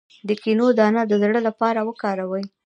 د کینو دانه د زړه لپاره وکاروئ